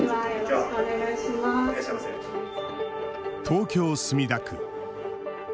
東京・墨田区。